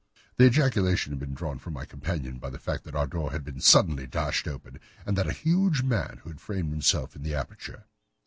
The ejaculation had been drawn from my companion by the fact that our door had been suddenly dashed open, and that a huge man had framed himself in the aperture.